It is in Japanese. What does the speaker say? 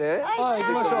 行きましょう。